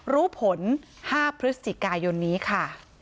รู้ผล๕พฤศจิกายนนี้ค่ะ